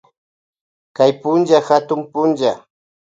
Kay punlla katun pulla.